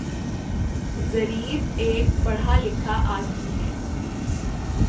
Zarif ایک پڑھا لکھا آدمی ہے